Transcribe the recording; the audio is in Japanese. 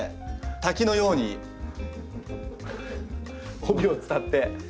滝のように帯を伝って。